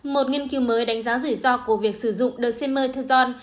một nghiên cứu mới đánh giá rủi ro của việc sử dụng dexamethasone